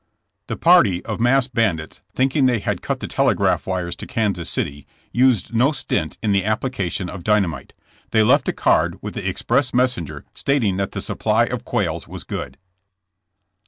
The party of masked bandits, thinking they had cut the telegraph wires to Kansas City, used no stint in the application of 112 JKSSK JAMKS. dynamite. They left a card with the express mes senger stating that the supply of quails was good.